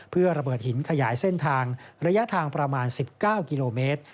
เพื่อระเบิดหินขยายเส้นทางระยะทางประมาณ๑๙กิโลเมตร